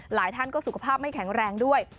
หลายท่านก็สุขภาพไม่แข็งแรงด้วย